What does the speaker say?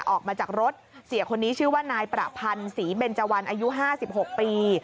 ออกมาจากรถเสียคนนี้ชื่อว่านายประพันธ์ศรีเบนเจวันอายุ๕๖ปี